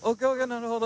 なるほど。